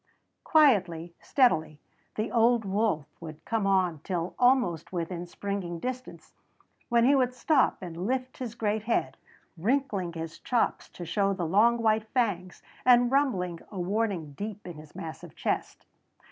Quietly, steadily, the old wolf would come on till almost within springing distance, when he would stop and lift his great head, wrinkling his chops to show the long white fangs, and rumbling a warning deep in his massive chest.